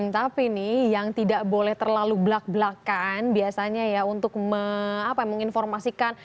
tapi nih yang tidak boleh terlalu belak belakan biasanya ya untuk menginformasikan